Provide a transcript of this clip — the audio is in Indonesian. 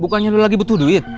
bukannya udah lagi butuh duit